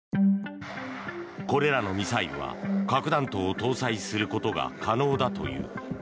これらのミサイルは核弾頭を搭載することが可能だという。